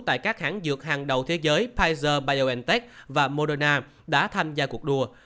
tại các hãng dược hàng đầu thế giới pfizer biontech và moderna đã tham gia cuộc đua